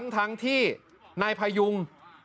ทั้งที่นายพยุง